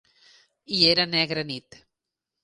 I era negra nit.